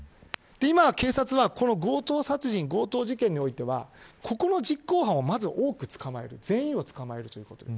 今、警察は強盗殺人、強盗事件においてはここの実行犯をまず多く捕まえる全員を捕まえるということです。